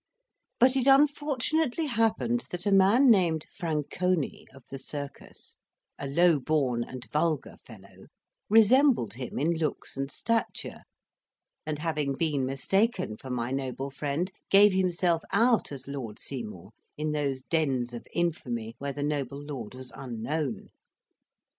But it unfortunately happened that a man named "Franconi," of the Circus a low born and vulgar fellow resembled him in looks and stature, and having been mistaken for my noble friend gave himself out as Lord Seymour in those dens of infamy, where the noble lord was unknown.